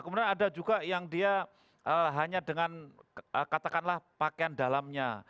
kemudian ada juga yang dia hanya dengan katakanlah pakaian dalamnya